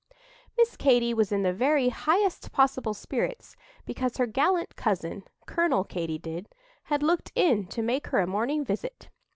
Miss Katy was in the very highest possible spirits, because her gallant cousin, Colonel Katy did, had looked in to make her a morning visit.